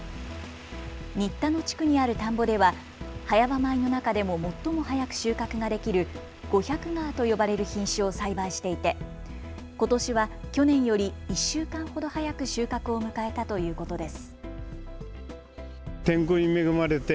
新田野地区にある田んぼでは早場米の中でも最も早く収穫ができる五百川と呼ばれる品種を栽培していてことしは去年より１週間ほど早く収穫を迎えたということです。